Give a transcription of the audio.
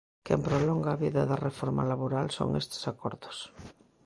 Quen prolonga a vida da reforma laboral son estes acordos.